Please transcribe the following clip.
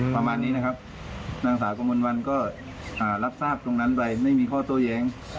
พอบันนี้นะครับนางสาวกมลวันก็อ่ารับทราบตรงนั้นไปไม่มีข้อตัวแยง